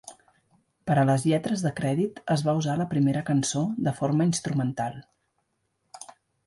Per a les lletres de crèdit es va usar la primera cançó de forma instrumental.